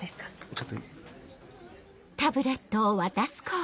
ちょっといい？